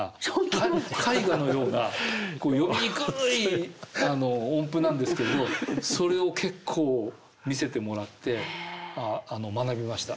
絵画のような読みにくい音符なんですけれどそれを結構見せてもらって学びました。